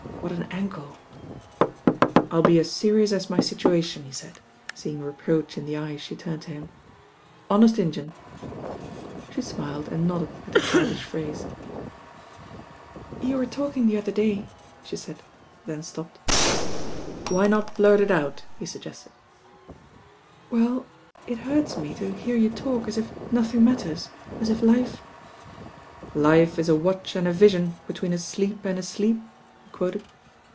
What an anklel ^^ renrnl.K "l'"""' ^'/"^ Situation," he said, seeing reproach m the eyes she turned to him. "Hone5 She smiled and nodded at the childish phrase You were talking the other day " she Hid then stopped. ^•"» "Why not blurt it out," he suggested. 192 THE RAIN GIRL "Well, it hurts me to hear you talk as if nothing matters, as if life "," 'Life is a watch and a vision, between a sleep and a sleep?'" he quoted.